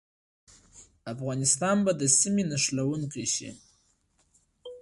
افغانستان به د سیمې نښلونکی شي؟